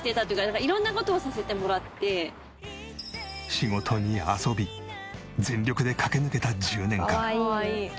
仕事に遊び全力で駆け抜けた１０年間。